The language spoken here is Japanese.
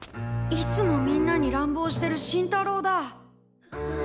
いつもみんなに乱暴してる新太郎だ。